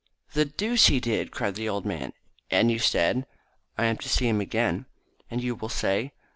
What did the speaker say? "The deuce he did!" cried the old man. "And you said ?" "I am to see him again." "And you will say